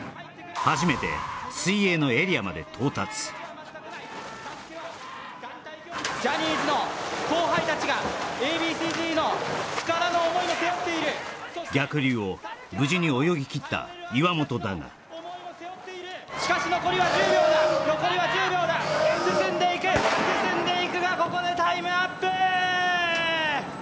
初めて水泳のエリアまで到達ジャニーズの後輩達がＡ．Ｂ．Ｃ−Ｚの塚田の思いも背負っている逆流を無事に泳ぎきった岩本だがしかし残りは１０秒だ残りは１０秒だ進んでいく進んでいくがここでタイムアップ！